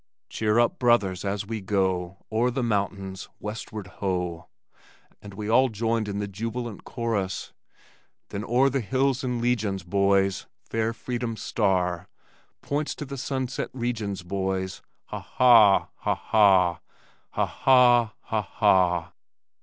Cheer up, brothers, as we go, O'er the mountains, westward ho and we all joined in the jubilant chorus Then o'er the hills in legions, boys, Fair freedom's star Points to the sunset regions, boys, Ha, ha, ha ha!